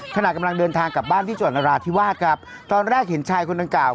ขณะกำลังเดินทางกลับบ้านที่จังหวัดนราธิวาสครับตอนแรกเห็นชายคนดังกล่าว